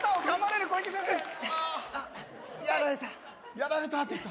「やられた」って言った。